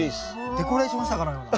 デコレーションしたかのような。